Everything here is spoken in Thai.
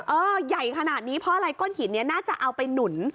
ใหญ่ขนาดนี้เพราะอะไรก้นหินนี้น่าจะเอาไปหนุน